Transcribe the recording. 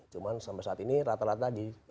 cuma sampai saat ini rata rata di